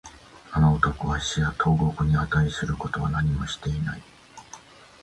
あの男は死や投獄に値することは何もしていない